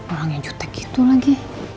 orangnya jutek gitu lagi